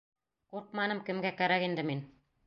— Ҡурҡманым, кемгә кәрәк инде мин.